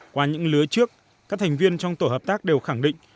qua những lứa trước các thành viên trong tổ hợp tác đều khẳng định